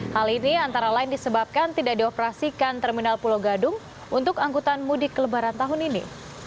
hal ini antara lain disebabkan tidak dioperasikan terminal pulau gadung untuk angkutan mudik lebaran tahun ini